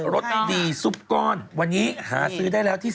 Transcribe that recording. รสดีซุปก้อนวันนี้หาซื้อได้แล้วที่